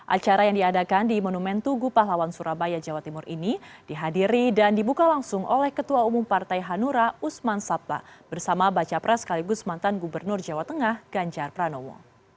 acara yang diadakan di monumen tugu pahlawan surabaya jawa timur ini dihadiri dan dibuka langsung oleh ketua umum partai hanura usman sabta bersama baca pres sekaligus mantan gubernur jawa tengah ganjar pranowo